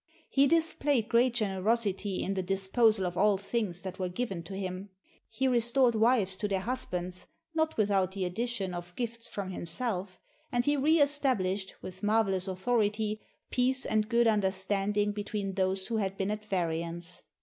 He displayed great generosity in the dis posal of all things that were given him. He restored wives to their husbands, not without the addition of gifts from himself, and he reestablished, with marvelous authority, peace and good understanding between those who had been at variance.